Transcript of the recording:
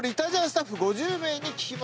スタッフ５０名に聞きました。